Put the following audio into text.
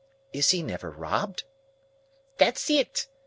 "Is he never robbed?" "That's it!"